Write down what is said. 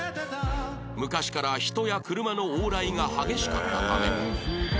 昔から人や車の往来が激しかったため